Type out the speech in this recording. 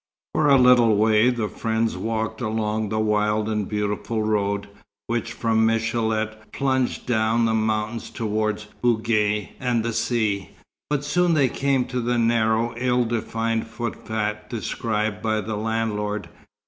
For a little way the friends walked along the wild and beautiful road, which from Michélet plunges down the mountains toward Bougie and the sea; but soon they came to the narrow, ill defined footpath described by the landlord.